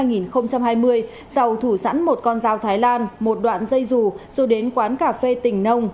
giàu thủ sẵn một con dao thái lan một đoạn dây rù rồi đến quán cà phê tỉnh nông